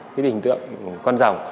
cái hình tượng con rồng